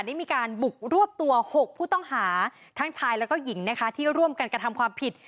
ได้มีการบุกรวบตัว๖ผู้ต้องหาทั้งชายแล้วก็หญิงนะคะที่ร่วมกันกระทำความผิด